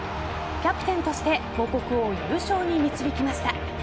キャプテンとして母国を優勝に導きました。